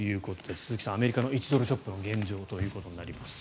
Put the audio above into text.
鈴木さん、アメリカの１ドルショップの現状となります。